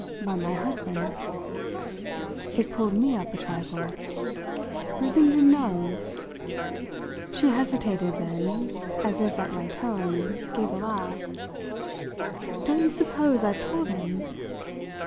"By my husband." It pulled me up a trifle. "Brissenden knows?" She hesitated; then, as if at my tone, gave a laugh. "Don't you suppose I've told him?"